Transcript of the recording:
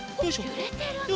ゆれてるね。